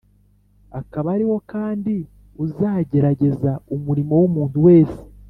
akaba ariwo kandi uzagerageza umurimo w'umuntu wese.